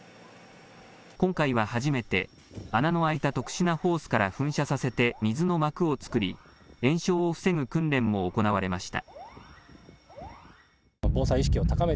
今回は初めて穴の開いた特殊なホースから噴射させて水のまくを作り延焼を防ぐ訓練も行われました。